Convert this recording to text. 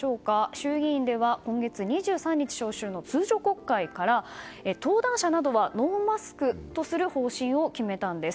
衆議院では今月２３日召集の通常国会から登壇者などはノーマスクとする方針を決めたんです。